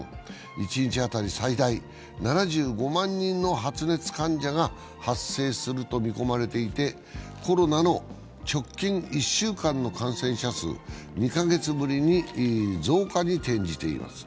一日当たり最大７５万人の発熱患者が発生すると見込まれていてコロナの直近１週間の感染者数、２か月ぶりに増加に転じています。